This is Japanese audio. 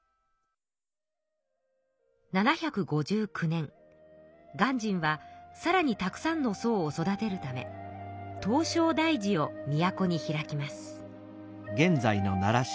７５９年鑑真はさらにたくさんの僧を育てるため唐招提寺を都に開きます。